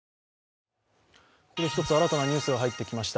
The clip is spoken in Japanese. １つ新たなニュースが入ってきました。